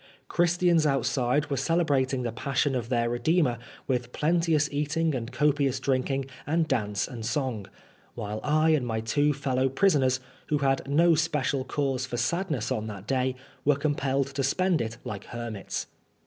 Christians outside were celebrating the Passion of their Redeemer with plenteous eating and copious drinking, and dance and song ; while I and my two fellow prisoners, who had no special cause for sadness on that day, were compelled to spend it like hermits.